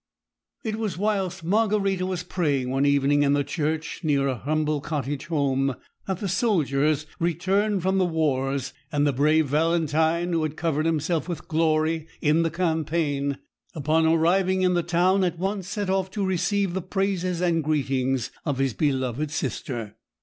It was whilst Margarita was praying one evening in the church near her humble cottage home that the soldiers returned from the wars; and the brave Valentine who had covered himself with glory in the campaign upon arriving in the town, at once set off to receive the praises and greetings of his beloved sister.